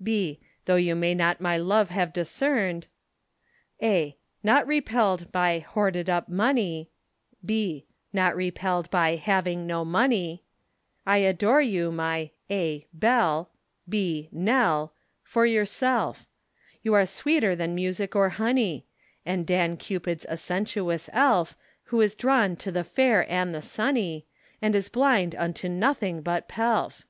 } Though you may not my love have discerned, } Not repelled by { hoarded up } money, { having no } I adore you, my { Belle, } for yourself, { Nell, } You are sweeter than music or honey; And Dan Cupid's a sensuous elf, Who is drawn to the fair and the sunny, And is blind unto nothing but pelf.